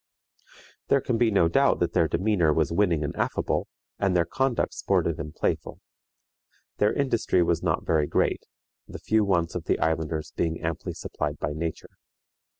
" There can be no doubt that their demeanor was winning and affable, and their conduct sportive and playful. Their industry was not very great, the few wants of the islanders being amply supplied by nature.